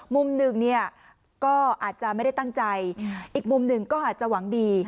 มุมหนึ่งเนี่ยก็อาจจะไม่ได้ตั้งใจอีกมุมหนึ่งก็อาจจะหวังดี